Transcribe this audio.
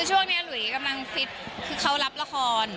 ช่วงเนี่ยหลุยกำลังฟีตเขารับราคอน